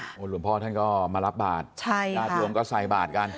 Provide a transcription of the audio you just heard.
หลวงพ่อท่านก็มารับบาทญาติโยมก็ใส่บาทกัน